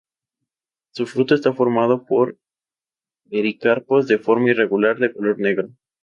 Su fruto está formado por mericarpos de forma irregular de color negro.